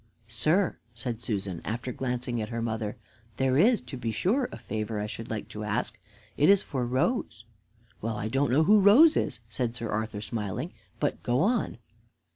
"Sir," said Susan, after glancing at her mother, "there is, to be sure, a favor I should like to ask; it is for Rose." "Well, I don't know who Rose is," said Sir Arthur, smiling; "but go on."